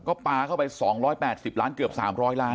ก็ปลาเข้าไป๒๘๐ล้านเกือบ๓๐๐ล้าน